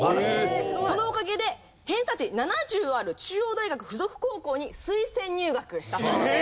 そのおかげで偏差値７０ある中央大学附属高校に推薦入学したそうです。